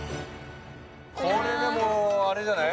これでもうあれじゃない？